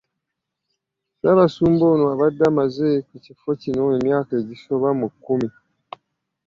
Ssaabasumba ono abadde amaze ku kifo kino emyaka egisoba mu kkumi.